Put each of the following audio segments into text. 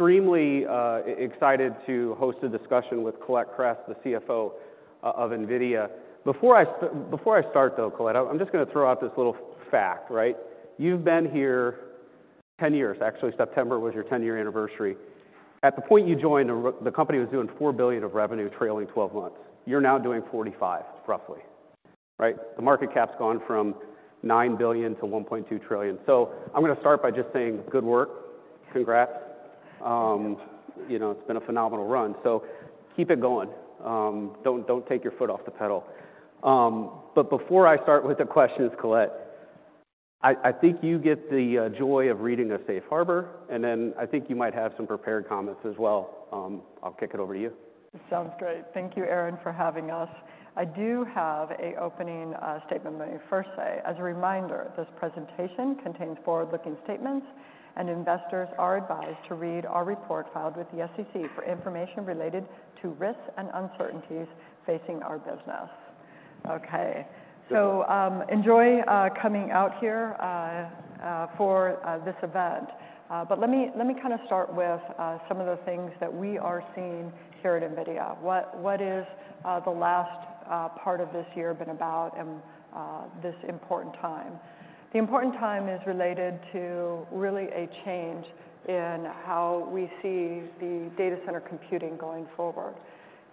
Extremely excited to host a discussion with Colette Kress, the CFO of NVIDIA. Before I start, though, Colette, I'm just gonna throw out this little fact, right? You've been here 10 years. Actually, September was your 10-year anniversary. At the point you joined, the company was doing $4 billion of revenue, trailing twelve months. You're now doing $45 billion, roughly, right? The market cap's gone from $9 billion to $1.2 trillion. So I'm gonna start by just saying, good work. Congrats. You know, it's been a phenomenal run, so keep it going. Don't take your foot off the pedal. But before I start with the questions, Colette, I think you get the joy of reading a safe harbor, and then I think you might have some prepared comments as well. I'll kick it over to you. Sounds great. Thank you, Aaron, for having us. I do have an opening statement. Let me first say, as a reminder, this presentation contains forward-looking statements, and investors are advised to read our report filed with the SEC for information related to risks and uncertainties facing our business. Okay. Good. So, enjoy coming out here for this event. But let me kinda start with some of the things that we are seeing here at NVIDIA. What is the last part of this year been about and this important time? The important time is related to really a change in how we see the data center computing going forward.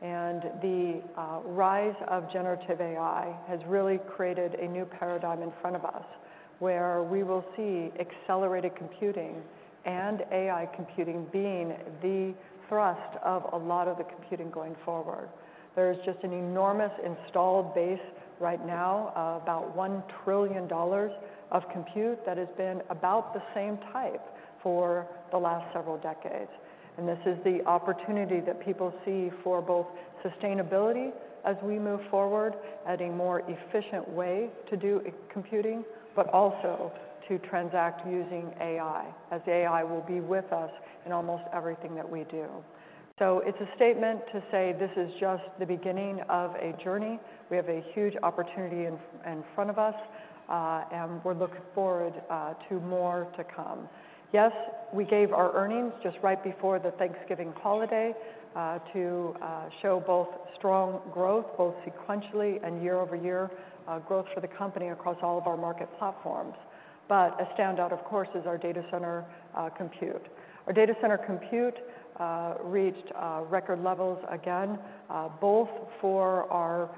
And the rise of generative AI has really created a new paradigm in front of us, where we will see accelerated computing and AI computing being the thrust of a lot of the computing going forward. There is just an enormous installed base right now, of about $1 trillion of compute that has been about the same type for the last several decades. This is the opportunity that people see for both sustainability as we move forward, at a more efficient way to do computing, but also to transact using AI, as AI will be with us in almost everything that we do. So it's a statement to say this is just the beginning of a journey. We have a huge opportunity in front of us, and we're looking forward to more to come. Yes, we gave our earnings just right before the Thanksgiving holiday to show both strong growth, both sequentially and year-over-year, growth for the company across all of our market platforms. But a standout, of course, is our data center compute. Our data center compute reached record levels again, both for our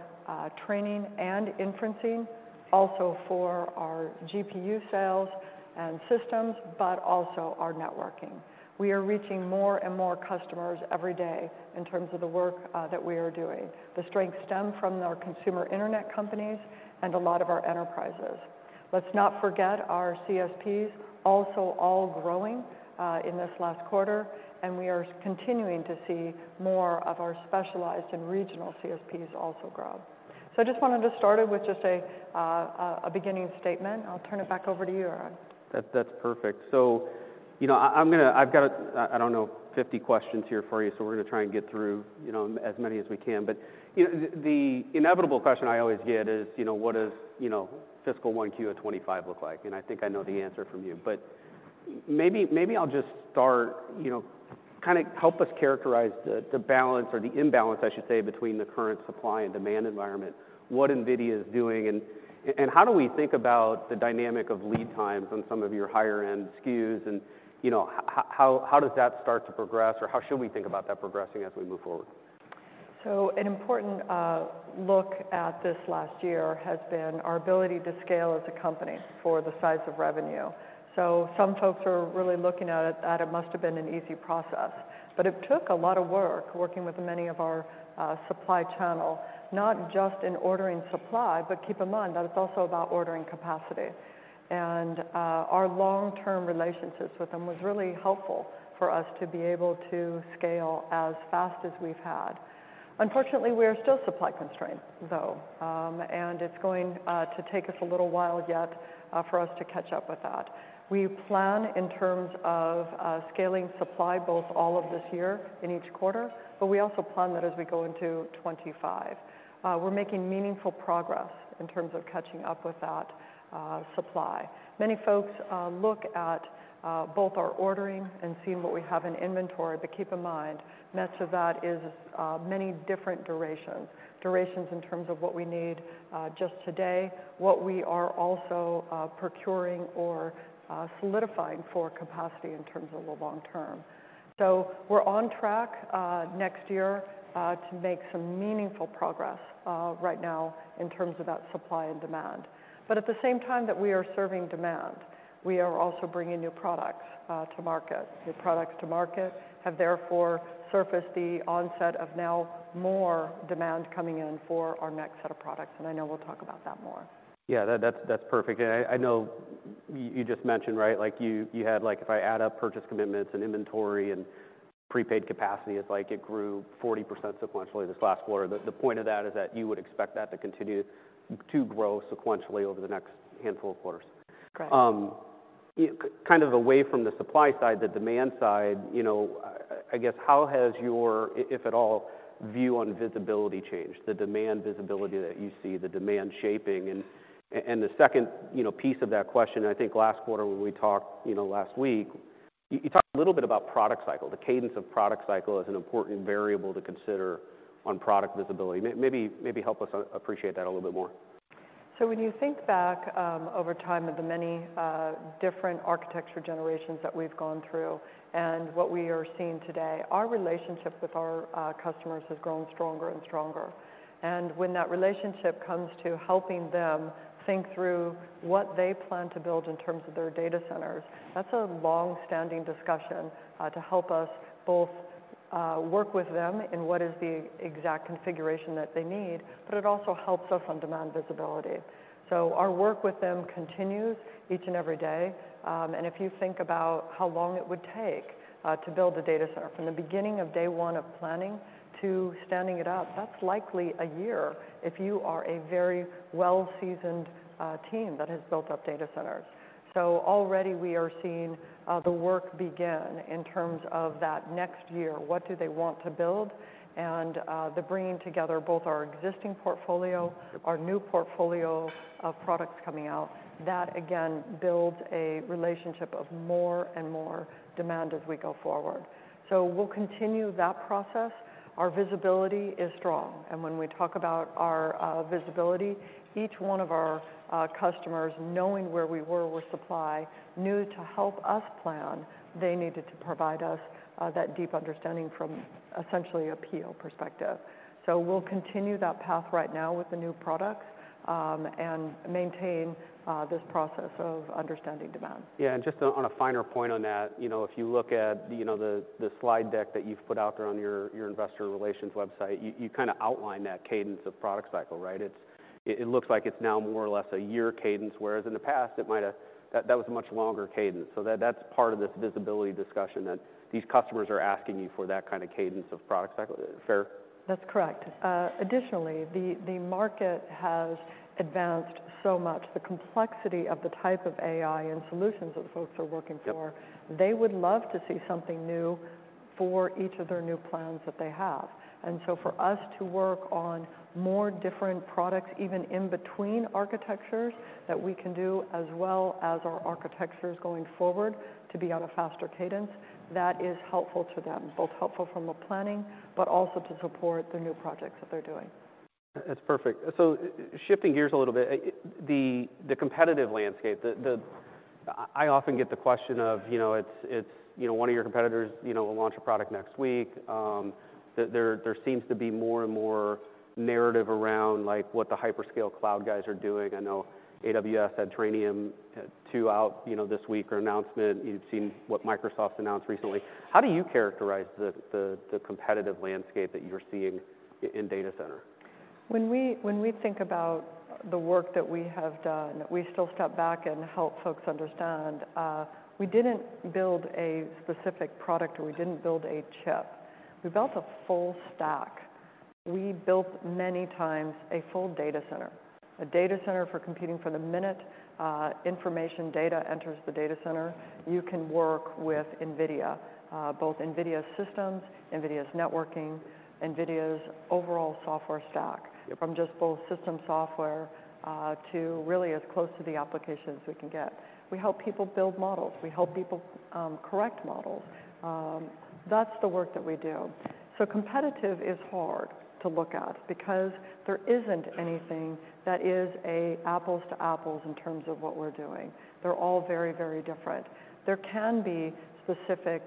training and inferencing, also for our GPU sales and systems, but also our networking. We are reaching more and more customers every day in terms of the work, that we are doing. The strength stem from our consumer internet companies and a lot of our enterprises. Let's not forget our CSPs, also all growing, in this last quarter, and we are continuing to see more of our specialized and regional CSPs also grow. So I just wanted to start it with just a, a beginning statement. I'll turn it back over to you, Aaron. That, that's perfect. So, you know, I'm gonna. I've got, I don't know, 50 questions here for you, so we're gonna try and get through, you know, as many as we can. But, you know, the inevitable question I always get is, you know, what does, you know, fiscal 1Q of 2025 look like? And I think I know the answer from you. But maybe, maybe I'll just start. You know, kinda help us characterize the balance or the imbalance, I should say, between the current supply and demand environment, what NVIDIA is doing, and how do we think about the dynamic of lead times on some of your higher-end SKUs, and, you know, how does that start to progress, or how should we think about that progressing as we move forward? So an important look at this last year has been our ability to scale as a company for the size of revenue. Some folks are really looking at it that it must have been an easy process. But it took a lot of work, working with many of our supply chain, not just in ordering supply, but keep in mind that it's also about ordering capacity. And our long-term relationships with them was really helpful for us to be able to scale as fast as we've had. Unfortunately, we are still supply constrained, though, and it's going to take us a little while yet for us to catch up with that. We plan in terms of scaling supply both all of this year in each quarter, but we also plan that as we go into 2025. We're making meaningful progress in terms of catching up with that supply. Many folks look at both our ordering and seeing what we have in inventory, but keep in mind, much of that is many different durations. Durations in terms of what we need just today, what we are also procuring or solidifying for capacity in terms of the long term. So we're on track next year to make some meaningful progress right now in terms of that supply and demand. But at the same time that we are serving demand, we are also bringing new products to market. New products to market have therefore surfaced the onset of now more demand coming in for our next set of products, and I know we'll talk about that more. Yeah, that's perfect. And I know you just mentioned, right, like you had, like if I add up purchase commitments and inventory and prepaid capacity, it's like it grew 40% sequentially this last quarter. The point of that is that you would expect that to continue to grow sequentially over the next handful of quarters. Correct. Kind of away from the supply side, the demand side, you know, I guess how has your, if at all, view on visibility changed, the demand visibility that you see, the demand shaping? And the second, you know, piece of that question, I think last quarter when we talked, you know, you talked a little bit about product cycle. The cadence of product cycle is an important variable to consider on product visibility. Maybe help us appreciate that a little bit more. So when you think back, over time of the many, different architecture generations that we've gone through and what we are seeing today, our relationship with our customers has grown stronger and stronger. When that relationship comes to helping them think through what they plan to build in terms of their data centers, that's a long-standing discussion, to help us both, work with them in what is the exact configuration that they need, but it also helps us on-demand visibility. Our work with them continues each and every day. If you think about how long it would take, to build a data center, from the beginning of day one of planning to standing it up, that's likely a year if you are a very well-seasoned team that has built up data centers. So already we are seeing the work begin in terms of that next year, what do they want to build? And the bringing together both our existing portfolio, our new portfolio of products coming out, that again builds a relationship of more and more demand as we go forward. So we'll continue that process. Our visibility is strong, and when we talk about our visibility, each one of our customers, knowing where we were with supply, knew to help us plan, they needed to provide us that deep understanding from essentially a PO perspective. So we'll continue that path right now with the new products and maintain this process of understanding demand. Yeah, and just on a finer point on that, you know, if you look at, you know, the slide deck that you've put out there on your investor relations website, you kinda outline that cadence of product cycle, right? It looks like it's now more or less a year cadence, whereas in the past, it might have, that was a much longer cadence. So, that's part of this visibility discussion, that these customers are asking you for that kind of cadence of product cycle. Fair? That's correct. Additionally, the market has advanced so much. The complexity of the type of AI and solutions that folks are looking for- Yep. They would love to see something new for each of their new plans that they have. And so for us to work on more different products, even in between architectures, that we can do as well as our architectures going forward to be on a faster cadence, that is helpful to them. Both helpful from a planning, but also to support the new projects that they're doing. That's perfect. So shifting gears a little bit, the competitive landscape... I often get the question of, you know, it's, it's, you know, one of your competitors, you know, will launch a product next week. There seems to be more and more narrative around, like, what the hyperscale cloud guys are doing. I know AWS had Trainium2 out, you know, this week, or announcement. You've seen what Microsoft announced recently. How do you characterize the competitive landscape that you're seeing in data center? When we think about the work that we have done, we still step back and help folks understand, we didn't build a specific product, or we didn't build a chip. We built a full stack. We built many times a full data center, a data center for computing from the minute information data enters the data center, you can work with NVIDIA, both NVIDIA systems, NVIDIA's networking, NVIDIA's overall software stack. Yep. From just full system software to really as close to the application as we can get. We help people build models. We h elp people correct models. That's the work that we do. So competition is hard to look at because there isn't anything that is an apples-to-apples in terms of what we're doing. They're all very, very different. There can be specific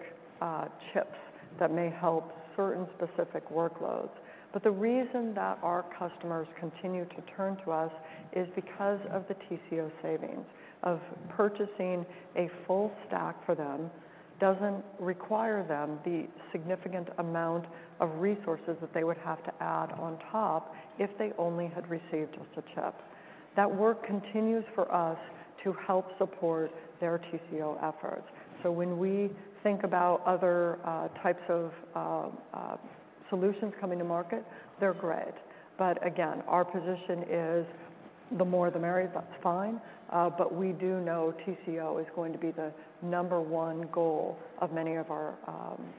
chips that may help certain specific workloads, but the reason that our customers continue to turn to us is because of the TCO savings of purchasing a full stack for them doesn't require them the significant amount of resources that they would have to add on top if they only had received just a chip. That work continues for us to help support their TCO efforts. So when we think about other types of solutions coming to market, they're great. But again, our position is, the more the merrier, that's fine, but we do know TCO is going to be the number one goal of many of our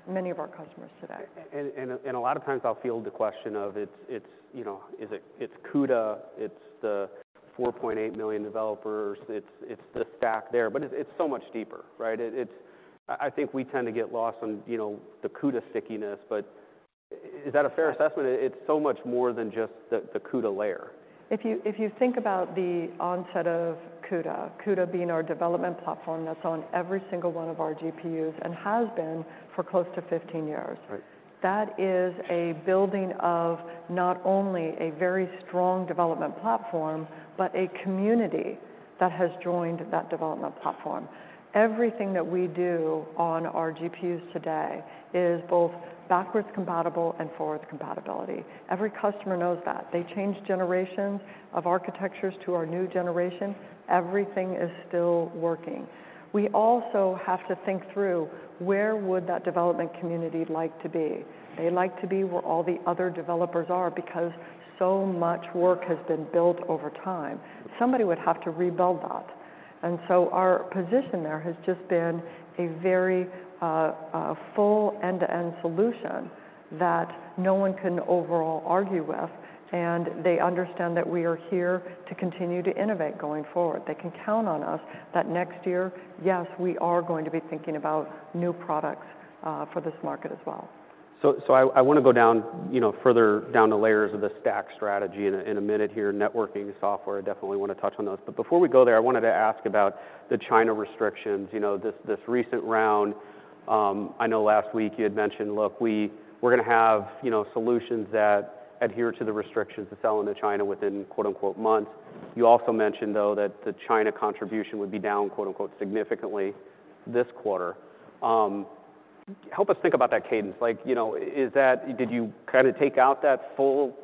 customers today. A lot of times I'll field the question of it's, you know, is it... It's CUDA, it's the 4.8 million developers, it's the stack there, but it's so much deeper, right? I think we tend to get lost on, you know, the CUDA stickiness, but is that a fair assessment? It's so much more than just the CUDA layer. If you think about the onset of CUDA, CUDA being our development platform that's on every single one of our GPUs and has been for close to 15 years. Right. That is a building of not only a very strong development platform, but a community that has joined that development platform. Everything that we do on our GPUs today is both backwards compatible and forwards compatibility. Every customer knows that. They change generations of architectures to our new generation, everything is still working. We also have to think through: where would that development community like to be? They like to be where all the other developers are, because so much work has been built over time. Somebody would have to rebuild that. And so our position there has just been a very full end-to-end solution that no one can overall argue with, and they understand that we are here to continue to innovate going forward. They can count on us, that next year, yes, we are going to be thinking about new products for this market as well.... So I want to go down, you know, further down the layers of the stack strategy in a minute here. Networking, software, I definitely want to touch on those. But before we go there, I wanted to ask about the China restrictions. You know, this recent round, I know last week you had mentioned, look, we're going to have, you know, solutions that adhere to the restrictions to sell into China within, quote-unquote, months. You also mentioned, though, that the China contribution would be down, quote-unquote, significantly this quarter. Help us think about that cadence. Like, you know, is that—did you kind of take out that full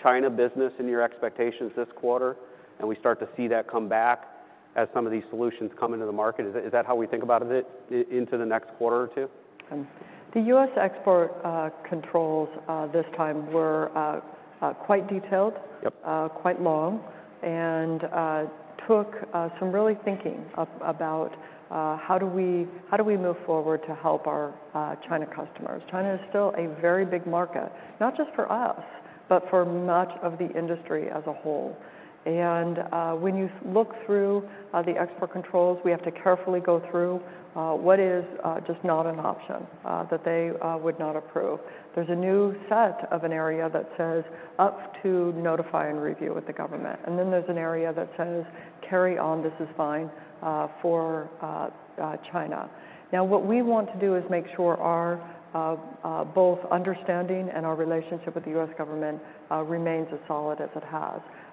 China business in your expectations this quarter, and we start to see that come back as some of these solutions come into the market? Is that how we think about it into the next quarter or two? The U.S. export controls this time were quite detailed- Yep... quite long, and took some really thinking about how do we, how do we move forward to help our China customers? China is still a very big market, not just for us, but for much of the industry as a whole. When you look through the export controls, we have to carefully go through what is just not an option that they would not approve. There's a new set of an area that says up to notify and review with the government, and then there's an area that says, "Carry on, this is fine," for China. Now, what we want to do is make sure our both understanding and our relationship with the U.S. government remains as solid as it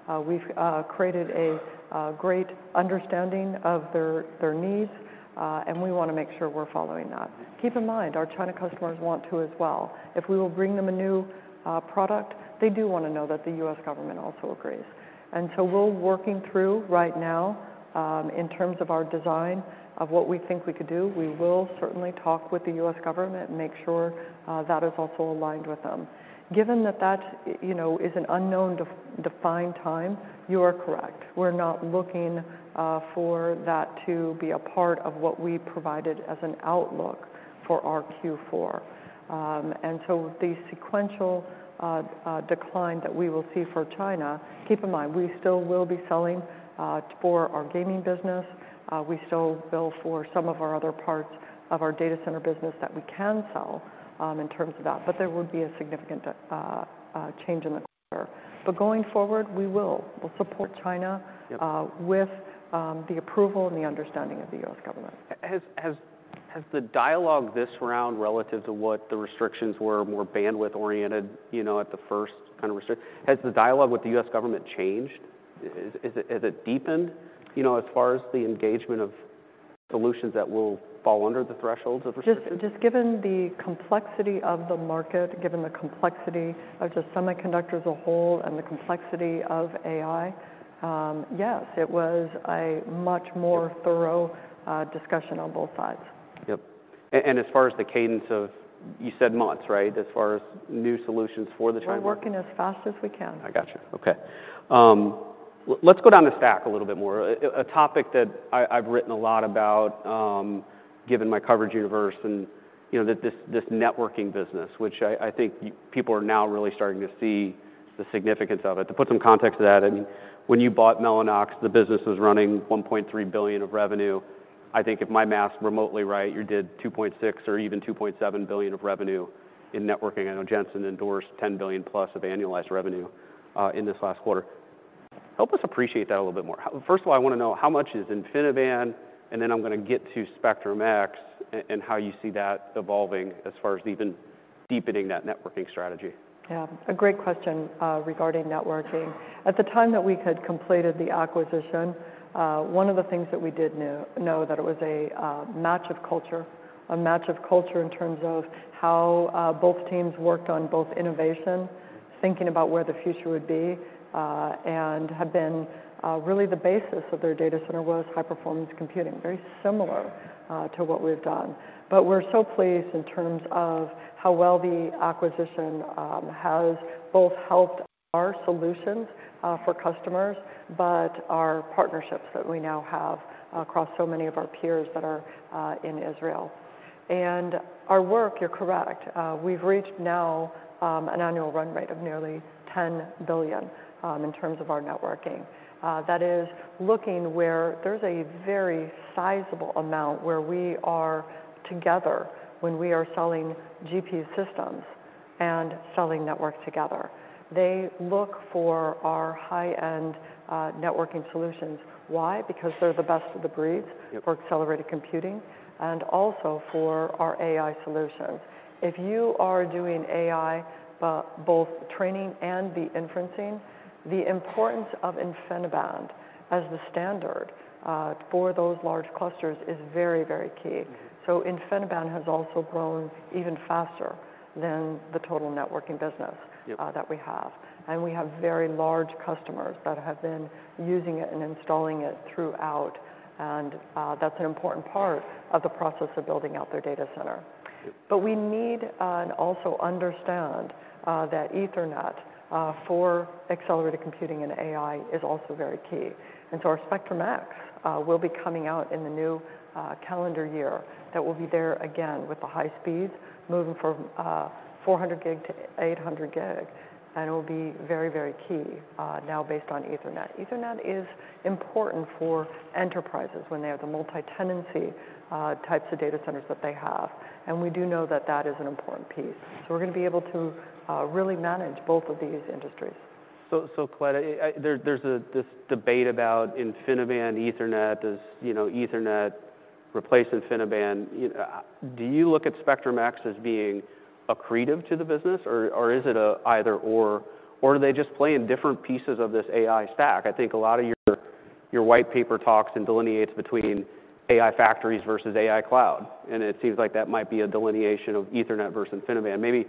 has. We've created a great understanding of their needs, and we want to make sure we're following that. Keep in mind, our China customers want to as well. If we will bring them a new product, they do want to know that the U.S. government also agrees. And so we're working through right now in terms of our design of what we think we could do. We will certainly talk with the U.S. government and make sure that is also aligned with them. Given that that, you know, is an unknown defined time, you are correct. We're not looking for that to be a part of what we provided as an outlook for our Q4. and so the sequential decline that we will see for China— Keep in mind, we still will be selling for our gaming business. We still will for some of our other parts of our data center business that we can sell in terms of that, but there would be a significant change in the quarter. But going forward, we will. We'll support China- Yep... with the approval and the understanding of the U.S. government. Has the dialogue this round relative to what the restrictions were more bandwidth-oriented, you know? Has the dialogue with the U.S. government changed? Is it, has it deepened, you know, as far as the engagement of solutions that will fall under the thresholds of restrictions? Just given the complexity of the market, given the complexity of the semiconductor as a whole, and the complexity of AI, yes, it was a much more- Yep... thorough discussion on both sides. Yep. And as far as the cadence of... You said months, right? As far as new solutions for the China- We're working as fast as we can. I got you. Okay. Let's go down the stack a little bit more. A topic that I, I've written a lot about, given my coverage universe and, you know, that this, this networking business, which I, I think people are now really starting to see the significance of it. To put some context to that, I mean, when you bought Mellanox, the business was running $1.3 billion of revenue. I think if my math's remotely right, you did $2.6 billion or even $2.7 billion of revenue in networking. I know Jensen endorsed 10 billion+ of annualized revenue in this last quarter. Help us appreciate that a little bit more. First of all, I want to know how much is InfiniBand, and then I'm going to get to Spectrum-X and how you see that evolving as far as even deepening that networking strategy. Yeah. A great question regarding networking. At the time that we had completed the acquisition, one of the things that we did know, that it was a match of culture, a match of culture in terms of how both teams worked on both innovation, thinking about where the future would be, and had been really the basis of their data center was high-performance computing, very similar to what we've done. But we're so pleased in terms of how well the acquisition has both helped our solutions for customers, but our partnerships that we now have across so many of our peers that are in Israel. And our work, you're correct, we've reached now an annual run rate of nearly $10 billion in terms of our networking. That is looking where there's a very sizable amount where we are together when we are selling GPU systems and selling network together. They look for our high-end networking solutions. Why? Because they're the best of the breed- Yep... for accelerated computing and also for our AI solutions. If you are doing AI, both training and the inferencing, the importance of InfiniBand as the standard, for those large clusters is very, very key. Mm-hmm. InfiniBand has also grown even faster than the total networking business- Yep... that we have, and we have very large customers that have been using it and installing it throughout, and, that's an important part of the process of building out their data center. Yep. But we need and also understand that Ethernet for accelerated computing and AI is also very key. And so our Spectrum-X will be coming out in the new calendar year. That will be there again with the high speeds, moving from 400 gig-800 gig, and it will be very, very key now based on Ethernet. Ethernet is important for enterprises when they have the multi-tenancy types of data centers that they have, and we do know that that is an important piece. So we're going to be able to really manage both of these industries.... So, Colette, there's this debate about InfiniBand, Ethernet. Does, you know, Ethernet replace InfiniBand? You know, do you look at Spectrum-X as being accretive to the business, or, or is it an either/or? Or do they just play in different pieces of this AI stack? I think a lot of your, your white paper talks and delineates between AI factories versus AI cloud, and it seems like that might be a delineation of Ethernet versus InfiniBand. Maybe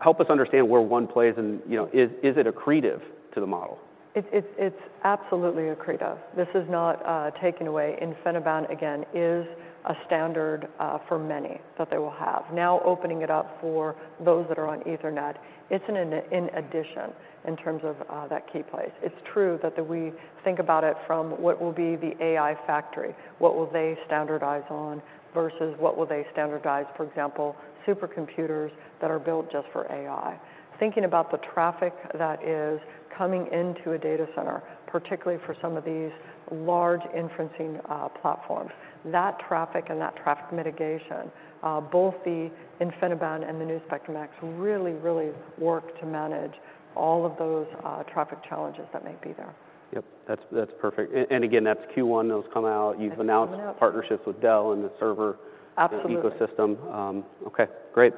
help us understand where one plays and, you know, is, is it accretive to the model? It's absolutely accretive. This is not taking away. InfiniBand, again, is a standard for many that they will have. Now opening it up for those that are on Ethernet, it's an addition in terms of that key place. It's true that we think about it from what will be the AI factory, what will they standardize on, versus what will they standardize, for example, supercomputers that are built just for AI. Thinking about the traffic that is coming into a data center, particularly for some of these large inferencing platforms, that traffic and that traffic mitigation, both the InfiniBand and the new Spectrum-X really, really work to manage all of those traffic challenges that may be there. Yep, that's perfect. And again, that's Q1 those come out. It's coming out. You've announced partnerships with Dell and the server- Absolutely... ecosystem. Okay, great.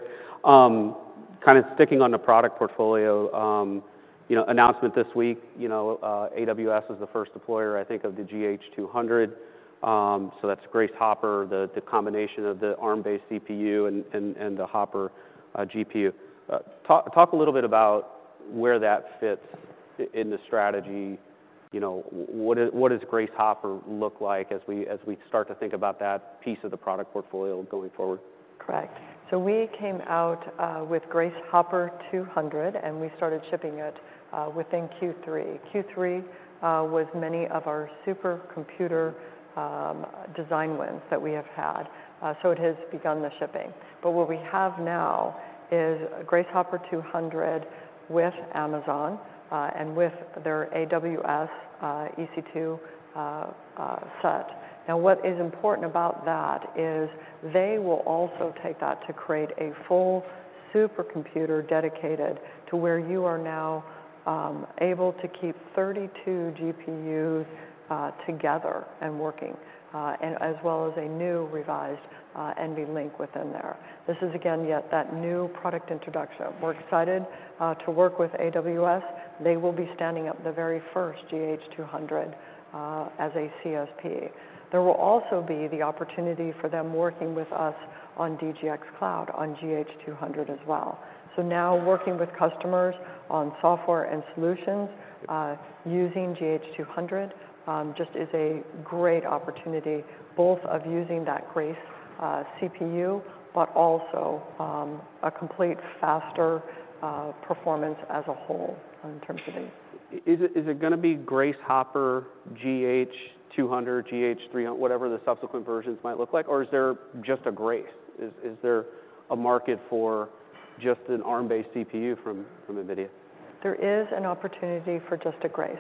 Kinda sticking on the product portfolio, you know, announcement this week, you know, AWS was the first deployer, I think, of the GH200. So that's Grace Hopper, the combination of the Arm-based CPU and the Hopper GPU. Talk a little bit about where that fits in the strategy. You know, what is, what does Grace Hopper look like as we start to think about that piece of the product portfolio going forward? Correct. So we came out with Grace Hopper 200, and we started shipping it within Q3. Q3 was many of our supercomputer design wins that we have had, so it has begun the shipping. But what we have now is Grace Hopper 200 with Amazon, and with their AWS EC2 set. Now, what is important about that is they will also take that to create a full supercomputer dedicated to where you are now able to keep 32 GPUs together and working, and as well as a new revised NVLink within there. This is, again, yet that new product introduction. We're excited to work with AWS. They will be standing up the very first GH200 as a CSP. There will also be the opportunity for them working with us on DGX Cloud, on GH200 as well. So now working with customers on software and solutions, using GH200, just is a great opportunity both of using that Grace, CPU, but also, a complete faster, performance as a whole in terms of AI. Is it gonna be Grace Hopper, GH200, GH300, whatever the subsequent versions might look like, or is there just a Grace? Is there a market for just an Arm-based CPU from NVIDIA? There is an opportunity for just a Grace.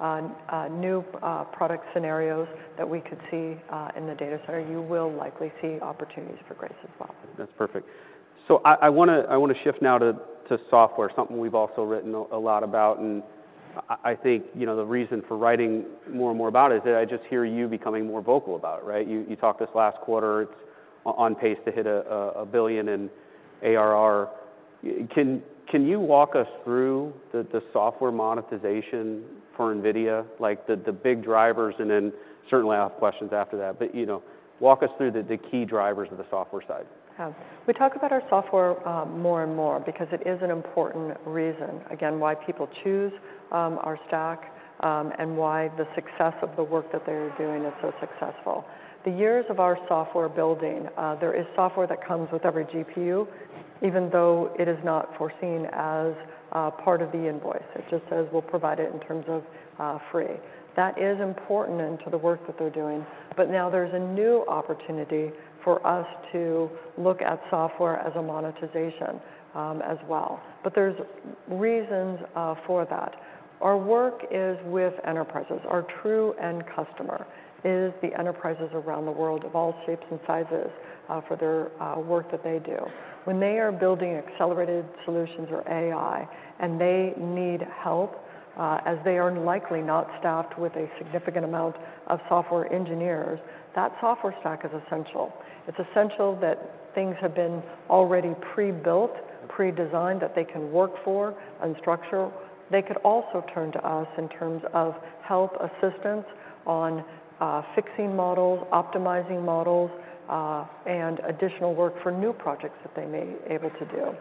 On new product scenarios that we could see in the data center, you will likely see opportunities for Grace as well. That's perfect. So I wanna shift now to software, something we've also written a lot about, and I think, you know, the reason for writing more and more about it is that I just hear you becoming more vocal about it, right? You talked this last quarter, it's on pace to hit $1 billion in ARR. Can you walk us through the software monetization for NVIDIA, like the big drivers, and then certainly I'll have questions after that. But, you know, walk us through the key drivers of the software side. Yeah. We talk about our software more and more because it is an important reason, again, why people choose our stack, and why the success of the work that they're doing is so successful. The years of our software building, there is software that comes with every GPU, even though it is not foreseen as part of the invoice. It just says we'll provide it in terms of free. That is important to the work that they're doing, but now there's a new opportunity for us to look at software as a monetization as well. But there's reasons for that. Our work is with enterprises. Our true end customer is the enterprises around the world of all shapes and sizes for their work that they do. When they are building accelerated solutions or AI, and they need help, as they are likely not staffed with a significant amount of software engineers, that software stack is essential. It's essential that things have been already pre-built, pre-designed, that they can work for and structure. They could also turn to us in terms of help, assistance on, fixing models, optimizing models, and additional work for new projects that they may able to do.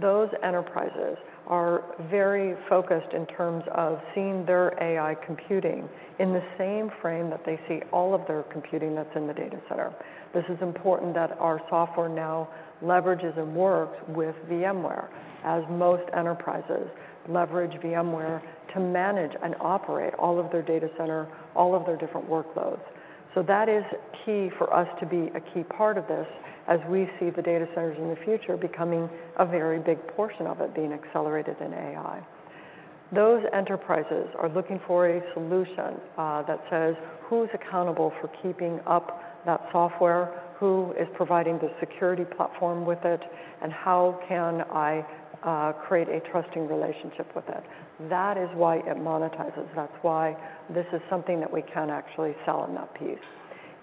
Those enterprises are very focused in terms of seeing their AI computing in the same frame that they see all of their computing that's in the data center. This is important that our software now leverages and works with VMware, as most enterprises leverage VMware to manage and operate all of their data center, all of their different workloads. So that is key for us to be a key part of this as we see the data centers in the future becoming a very big portion of it being accelerated in AI... Those enterprises are looking for a solution that says, who's accountable for keeping up that software? Who is providing the security platform with it? And how can I create a trusting relationship with it? That is why it monetizes. That's why this is something that we can actually sell in that piece.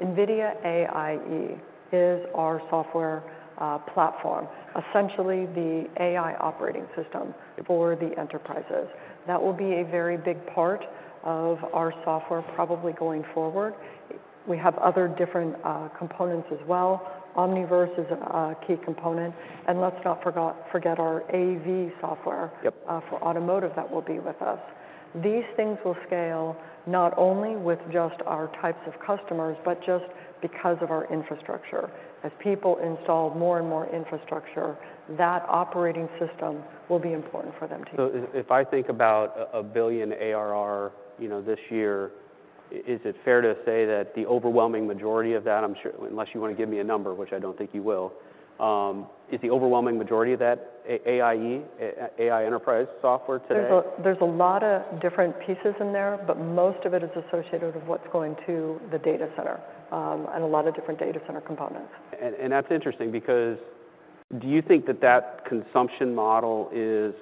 NVIDIA AIE is our software platform, essentially the AI operating system for the enterprises. That will be a very big part of our software, probably going forward. We have other different components as well. Omniverse is a key component, and let's not forget our AV software- Yep. For automotive that will be with us. These things will scale not only with just our types of customers, but just because of our infrastructure. As people install more and more infrastructure, that operating system will be important for them to use. So if I think about $1 billion ARR, you know, this year, is it fair to say that the overwhelming majority of that, I'm sure... Unless you want to give me a number, which I don't think you will, is the overwhelming majority of that AIE, AI enterprise software today? There's a lot of different pieces in there, but most of it is associated with what's going to the data center, and a lot of different data center components. And that's interesting because do you think that that consumption model is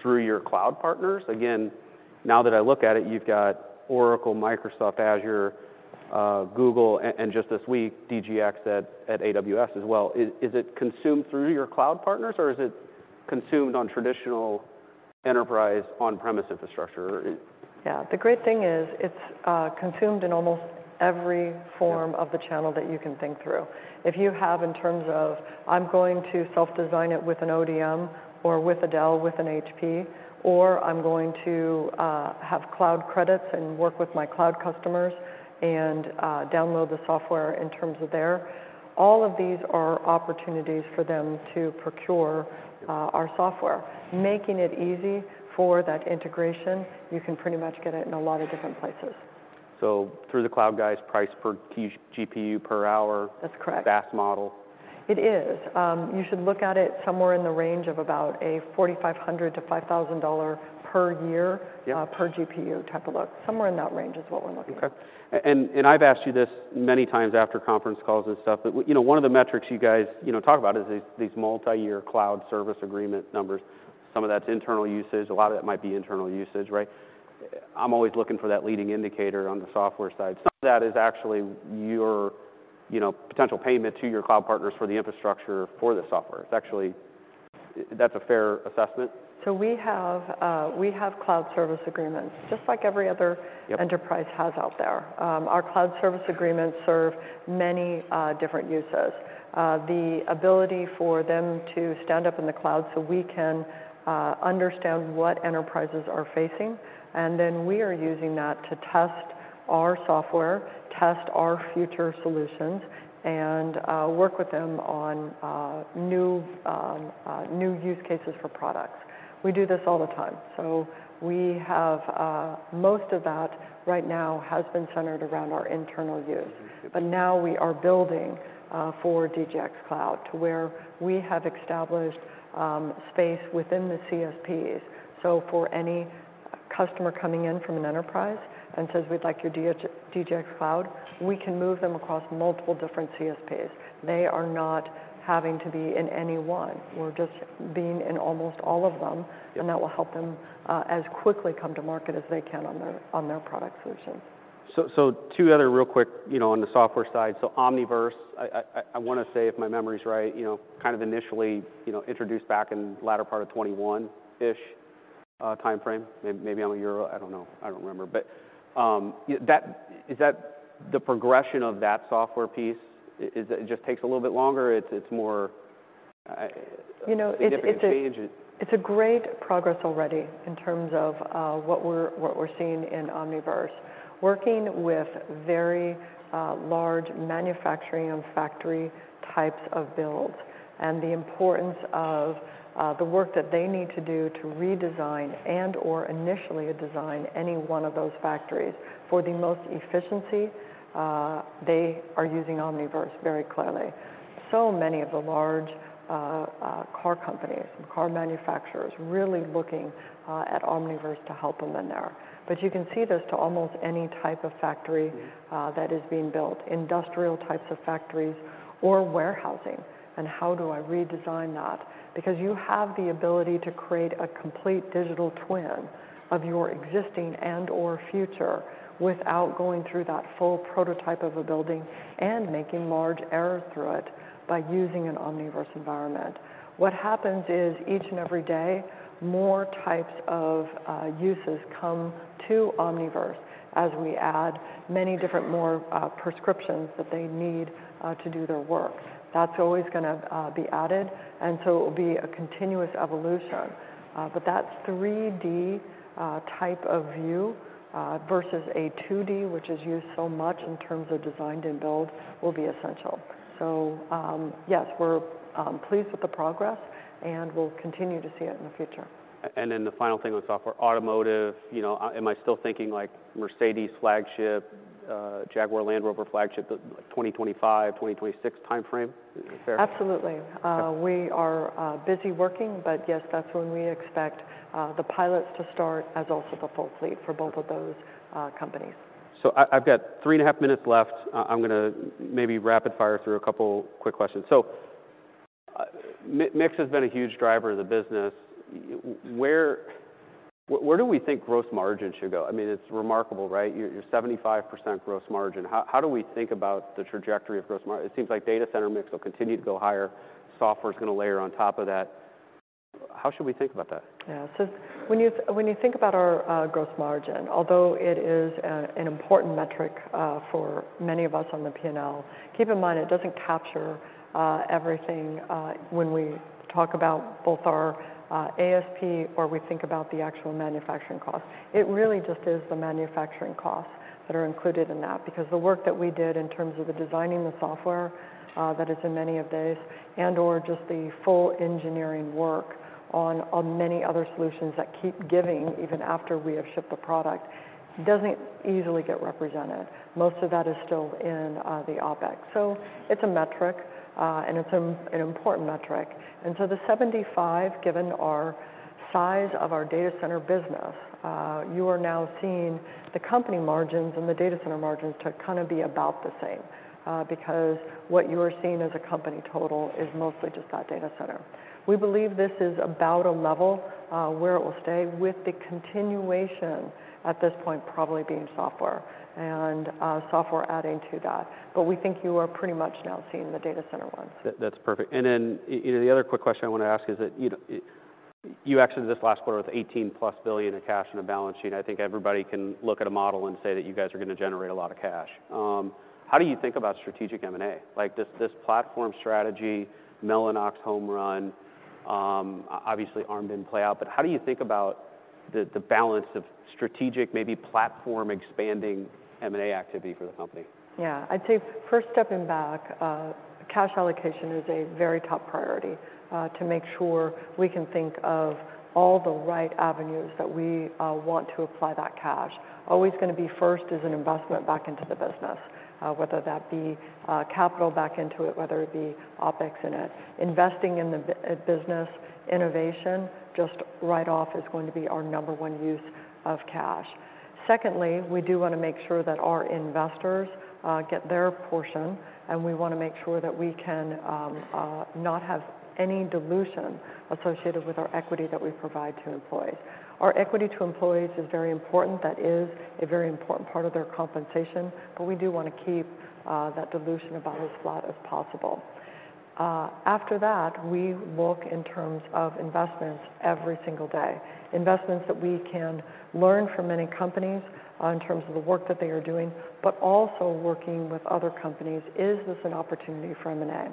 through your cloud partners? Again, now that I look at it, you've got Oracle, Microsoft, Azure, Google, and just this week, DGX at AWS as well. Is it consumed through your cloud partners, or is it consumed on traditional enterprise on-premise infrastructure? Yeah. The great thing is, it's consumed in almost every form- Yep -of the channel that you can think through. If you have in terms of, "I'm going to self-design it with an ODM or with a Dell, with an HP," or, "I'm going to have cloud credits and work with my cloud customers and download the software in terms of there," all of these are opportunities for them to procure our software. Making it easy for that integration, you can pretty much get it in a lot of different places. So through the cloud guys, price per key GPU per hour. That's correct. -SaaS model. It is. You should look at it somewhere in the range of about $4,500-$5,000 per year- Yep Per GPU type of look. Somewhere in that range is what we're looking at. Okay. And I've asked you this many times after conference calls and stuff, but you know, one of the metrics you guys, you know, talk about is these, these multiyear cloud service agreement numbers. Some of that's internal usage. A lot of that might be internal usage, right? I'm always looking for that leading indicator on the software side. Some of that is actually your, you know, potential payment to your cloud partners for the infrastructure for the software. It's actually... That's a fair assessment? So we have cloud service agreements, just like every other- Yep -enterprise has out there. Our cloud service agreements serve many, different uses. The ability for them to stand up in the cloud so we can, understand what enterprises are facing, and then we are using that to test our software, test our future solutions, and, work with them on, new use cases for products. We do this all the time. So we have, most of that right now has been centered around our internal use. Yep. But now we are building for DGX Cloud, to where we have established space within the CSPs. So for any customer coming in from an enterprise and says, "We'd like your DGX Cloud," we can move them across multiple different CSPs. They are not having to be in any one. We're just being in almost all of them. Yep -and that will help them as quickly come to market as they can on their product solutions. So, two other real quick, you know, on the software side. So Omniverse, I want to say, if my memory's right, you know, kind of initially, you know, introduced back in the latter part of 2021-ish timeframe. Maybe I'm a year off. I don't know. I don't remember. But, that— Is that the progression of that software piece? Is it just takes a little bit longer? It's more significant change? You know, it's great progress already in terms of what we're seeing in Omniverse. Working with very large manufacturing and factory types of builds, and the importance of the work that they need to do to redesign and/or initially design any one of those factories. For the most efficiency, they are using Omniverse very clearly. So many of the large car companies and car manufacturers really looking at Omniverse to help them in there. But you can see this to almost any type of factory- Mm-hmm... that is being built, industrial types of factories or warehousing, and how do I redesign that? Because you have the ability to create a complete digital twin of your existing and/or future without going through that full prototype of a building and making large errors through it by using an Omniverse environment. What happens is, each and every day, more types of uses come to Omniverse as we add many different more prescriptions that they need to do their work. That's always gonna be added, and so it will be a continuous evolution. But that 3D type of view versus a 2D, which is used so much in terms of design and build, will be essential. So, yes, we're pleased with the progress, and we'll continue to see it in the future. And then the final thing on software, automotive, you know, am I still thinking, like, Mercedes flagship, Jaguar Land Rover flagship, like, 2025, 2026 timeframe? Is that fair? Absolutely. Okay. We are busy working, but yes, that's when we expect the pilots to start, as well as the full fleet for both of those companies. So I've got 3.5 minutes left. I'm gonna maybe rapid-fire through a couple quick questions. Mix has been a huge driver of the business. Where do we think gross margin should go? I mean, it's remarkable, right? Your 75% gross margin. How do we think about the trajectory of gross margin? It seems like data center mix will continue to go higher. Software's going to layer on top of that. How should we think about that? Yeah. So when you think about our gross margin, although it is an important metric for many of us on the P&L, keep in mind it doesn't capture everything when we talk about both our ASP or we think about the actual manufacturing cost. It really just is the manufacturing costs that are included in that, because the work that we did in terms of the designing the software that is in many of these, and/or just the full engineering work on many other solutions that keep giving, even after we have shipped the product, doesn't easily get represented. Most of that is still in the OpEx. So it's a metric, and it's an important metric. And so the 75, given our size of our data center business, you are now seeing the company margins and the data center margins to kind of be about the same, because what you are seeing as a company total is mostly just that data center. We believe this is about a level, where it will stay with the continuation at this point, probably being software and, software adding to that. But we think you are pretty much now seeing the data center one. That's perfect. And then, you know, the other quick question I want to ask is that, you know, you exited this last quarter with $18+ billion in cash on the balance sheet. I think everybody can look at a model and say that you guys are going to generate a lot of cash. How do you think about strategic M&A? Like, this, this platform strategy, Mellanox home run, obviously, Arm in play out, but how do you think about the, the balance of strategic, maybe platform expanding M&A activity for the company? Yeah. I'd say first stepping back, cash allocation is a very top priority to make sure we can think of all the right avenues that we want to apply that cash. Always going to be first is an investment back into the business, whether that be capital back into it, whether it be OpEx in it. Investing in the business innovation, just right off, is going to be our number one use of cash. Secondly, we do want to make sure that our investors get their portion, and we want to make sure that we can not have any dilution associated with our equity that we provide to employees. Our equity to employees is very important. That is a very important part of their compensation, but we do want to keep that dilution about as flat as possible. After that, we look in terms of investments every single day, investments that we can learn from many companies on terms of the work that they are doing, but also working with other companies, is this an opportunity for M&A?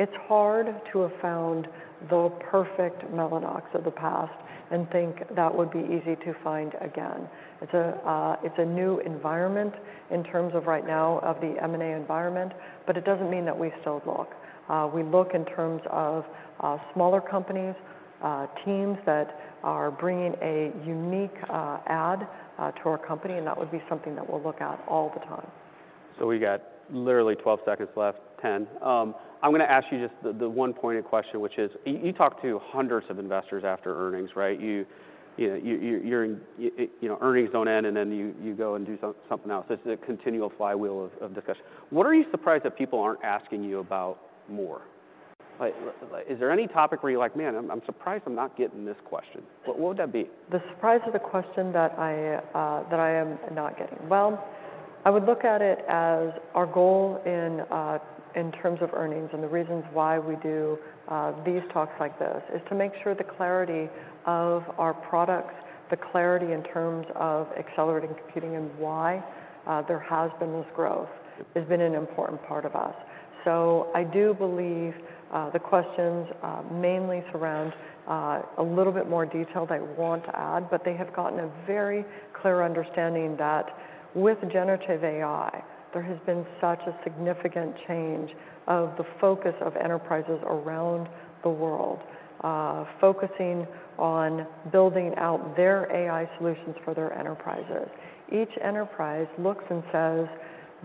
It's hard to have found the perfect Mellanox of the past and think that would be easy to find again. It's a, it's a new environment in terms of right now of the M&A environment, but it doesn't mean that we still look. We look in terms of smaller companies, teams that are bringing a unique add to our company, and that would be something that we'll look at all the time. So we got literally 12 seconds left, 10. I'm going to ask you just the one pointed question, which is, you talk to hundreds of investors after earnings, right? You know, you're, you know, earnings don't end, and then you go and do something else. It's a continual flywheel of discussion. What are you surprised that people aren't asking you about more? Like, is there any topic where you're like: Man, I'm surprised I'm not getting this question. What would that be? The surprise of the question that I, that I am not getting. Well, I would look at it as our goal in, in terms of earnings and the reasons why we do, these talks like this, is to make sure the clarity of our products, the clarity in terms of accelerating computing and why, there has been this growth, has been an important part of us. So I do believe, the questions, mainly surround, a little bit more detail that I want to add, but they have gotten a very clear understanding that with generative AI, there has been such a significant change of the focus of enterprises around the world, focusing on building out their AI solutions for their enterprises. Each enterprise looks and says,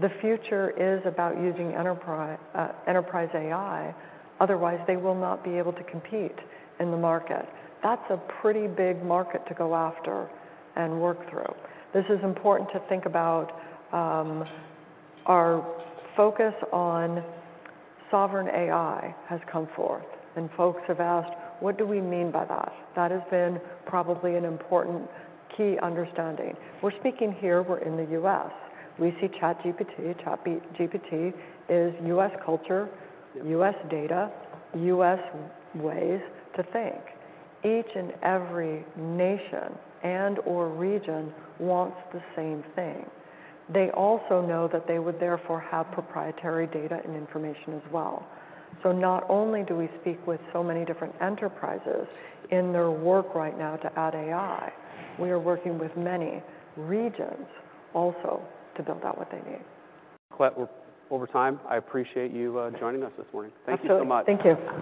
the future is about using enterprise, enterprise AI, otherwise they will not be able to compete in the market. That's a pretty big market to go after and work through. This is important to think about, our focus on Sovereign AI has come forth, and folks have asked: What do we mean by that? That has been probably an important key understanding. We're speaking here, we're in the U.S. We see ChatGPT. ChatGPT is U.S. culture, U.S. data, U.S. ways to think. Each and every nation and/or region wants the same thing. They also know that they would therefore have proprietary data and information as well. So not only do we speak with so many different enterprises in their work right now to add AI, we are working with many regions also to build out what they need. Colette, we're over time. I appreciate you joining us this morning. Absolutely. Thank you so much. Thank you.